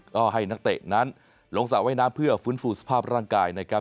ก็ให้นักเตะนั้นลงสระว่ายน้ำเพื่อฟื้นฟูสภาพร่างกายนะครับ